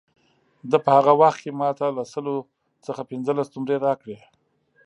ده په هغه وخت کې ما ته له سلو څخه پنځلس نمرې راکړې.